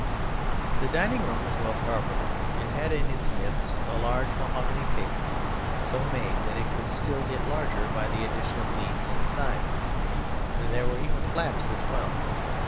The Dining room was well carpeted; it had in its midst a large mahogany table so made that it could get still larger by the addition of leaves inside; there were even flaps as well.